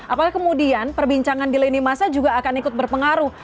apalagi kemudian perbincangan di lain dimasanya juga akan ikut berpengaruh